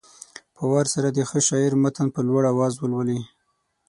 په وار سره دې د ښه شاعر متن په لوړ اواز ولولي.